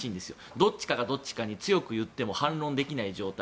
どっちかがどっちかに強く言っても反論できない状態。